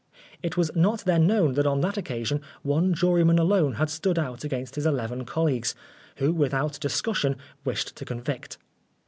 It was not then known that on that occasion one juryman alone had stood out against his eleven colleagues, who, with out discussion, wished to convict.